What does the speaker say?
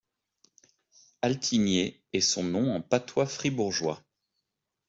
Altignei est son nom en patois fribourgeois.